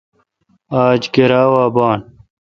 آج گرا وا بان۔